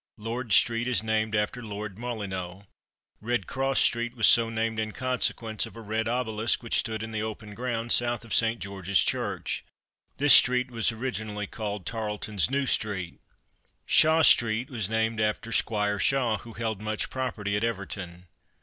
Lord street is named after Lord Molyneux. Redcross street was so named in consequence of a red obelisk which stood in the open ground, south of St. George's Church. This street was originally called Tarleton's New street. Shaw street was named after "Squire Shaw," who held much property at Everton.